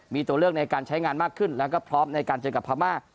มีตัวเลือกในการใช้งานมากขึ้นแล้วก็พร้อมในการเจอกับพม่า